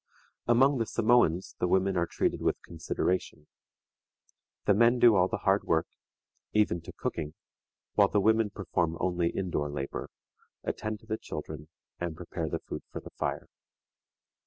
Among the Samoans the women are treated with consideration. The men do all the hard work, even to cooking, while the women perform only in door labor, attend to the children, and prepare the food for the fire.